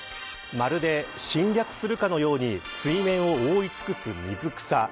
まるで侵略するかのように水面を覆い尽くす水草。